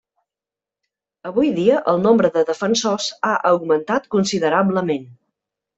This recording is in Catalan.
Avui dia el nombre de defensors ha augmentat considerablement.